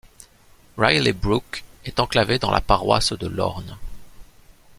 Riley Brook est enclavé dans la paroisse de Lorne.